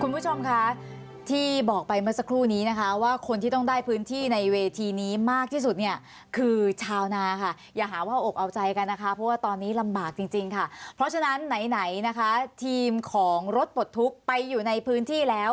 คุณผู้ชมคะที่บอกไปเมื่อสักครู่นี้นะคะว่าคนที่ต้องได้พื้นที่ในเวทีนี้มากที่สุดเนี่ยคือชาวนาค่ะอย่าหาว่าอกเอาใจกันนะคะเพราะว่าตอนนี้ลำบากจริงจริงค่ะเพราะฉะนั้นไหนไหนนะคะทีมของรถปลดทุกข์ไปอยู่ในพื้นที่แล้ว